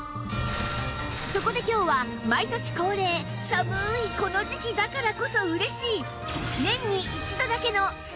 そこで今日は毎年恒例寒いこの時期だからこそ嬉しい